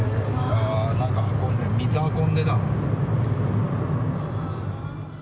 あー、なんか運んで、水運んでたんだ。